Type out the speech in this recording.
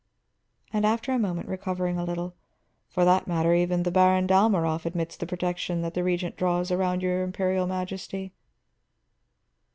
And after a moment, recovering a little, "For that matter, even the Baron Dalmorov admits the protection that the Regent draws around your Imperial Majesty.